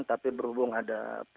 tapi berhubung ada provokator